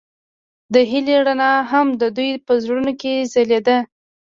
د هیلې رڼا هم د دوی په زړونو کې ځلېده.